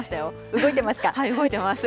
動いてます。